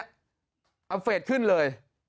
อัพเฟสขึ้นเลย